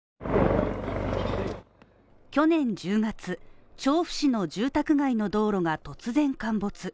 去年１０月、調布市の住宅街の道路が突然陥没。